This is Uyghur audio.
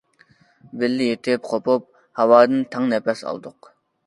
بىللە يېتىپ- قوپۇپ، ھاۋادىن تەڭ نەپەس ئالدۇق.